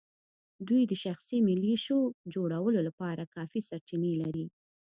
دوی د شخصي ملېشو جوړولو لپاره کافي سرچینې لري.